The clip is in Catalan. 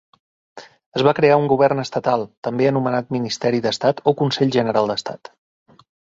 Es va crear un govern estatal, també anomenat ministeri d'estat o consell general d'estat.